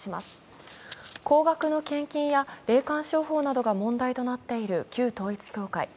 高額の献金や霊感商法などが問題となっている旧統一教会。